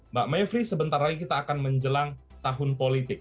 mbak mevri sebentar lagi kita akan menjelang tahun politik